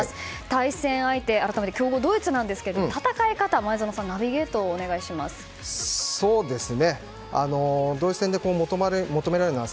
対戦相手、改めて強豪ドイツですが戦い方を前園さんナビゲートお願いします。